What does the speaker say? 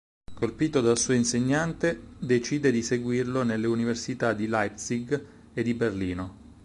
Colpito dal suo insegnante, decide di seguirlo nelle università di Leipzig e di Berlino.